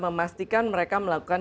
memastikan mereka melakukan